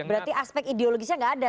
berarti aspek ideologisnya nggak ada